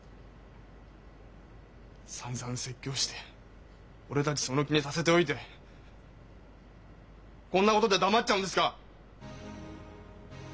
さんざん説教して俺たちその気にさせておいてこんなことで黙っちゃうんですか！？